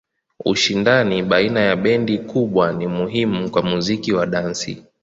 Ushindani baina ya bendi kubwa ni muhimu kwa muziki wa dansi.